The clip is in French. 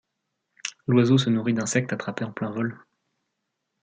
L'oiseau se nourrit d'insectes attrapés en plein vol.